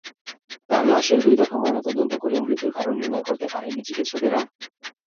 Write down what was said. তাঁর লাশের দুই দফা ময়নাতদন্ত করেও মৃত্যুর কারণ নির্ণয় করতে পারেননি চিকিৎসকেরা।